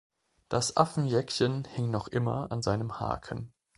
Das Affenjäckchen hing noch immer an seinem Haken.